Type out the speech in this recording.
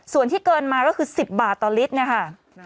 ส่วนที่เกินมาก็คือ๑๐บาทต่อลิตรนะคะ